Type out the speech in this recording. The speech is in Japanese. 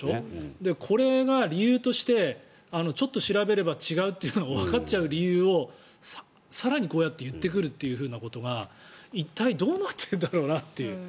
これが理由としてちょっと調べればわかっちゃう理由を更にこうやって言ってくるということが一体、どうなってるんだろうなという。